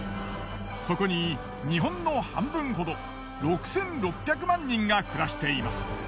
そこに日本の半分ほど６，６００万人が暮らしています。